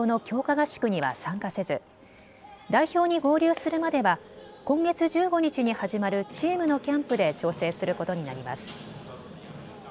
合宿には参加せず代表に合流するまでは今月１５日に始まるチームのキャンプで調整することになります。